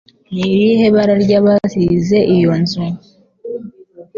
Ni irihe bara rya basize iyo nzu